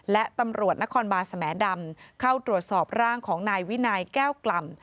และตำรวจนครบานสมดำเข้าตรวจสอบร่างของนายวินัยแก้วกล่ำ